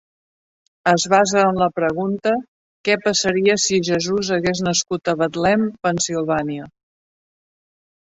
Es basa en la pregunta "Què passaria si Jesús hagués nascut a Betlem, Pennsilvània?".